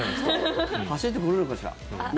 走って来れるかしら。